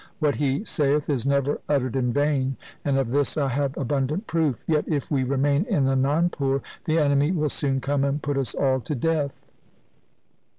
What he saith is never uttered in vain, and of this I have abundant proof. Yet if we remain in Anandpur, the enemy will soon come and put us all to death.'